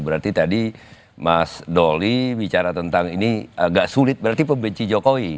berarti tadi mas doli bicara tentang ini agak sulit berarti pembenci jokowi